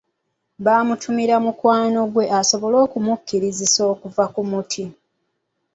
Baamutumira mukwano gwe asobole okumusikiriza okuva ku muti.